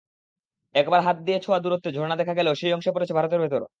একেবারে হাত ছোঁয়া দূরত্বে ঝরনা দেখা গেলেও সেই অংশ পড়েছে ভারতের ভেতরে।